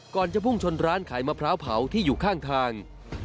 จะพุ่งชนร้านขายมะพร้าวเผาที่อยู่ข้างทาง